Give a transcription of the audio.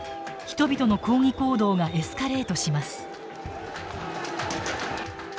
人々の抗議行動がエスカレートします。